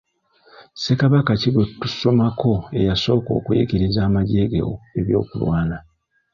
Ssekabaka ki gwe tusomako eyasooka okuyigiriza amagye ge eby'okulwana?